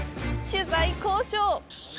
取材交渉！